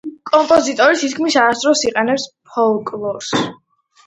კომპოზიტორი თითქმის არასდროს იყენებს ფოლკლორს.